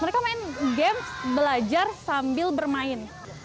mereka main games belajar sambil bermain